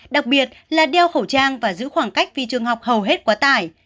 đặc biệt là đeo khẩu trang và giữ khoảng cách vì trường học hầu hết quá tải